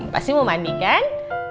pasti mau mandi kan